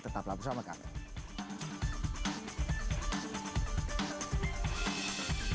tetaplah bersama kami